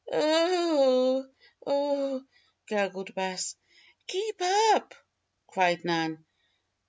"Oh! oh!" gurgled Bess. "Keep up!" cried Nan.